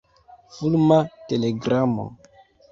Fulma telegramo.